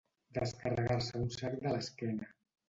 Descarregar-se un sac de l'esquena.